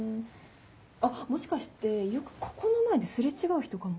あっもしかしてよくここの前で擦れ違う人かも。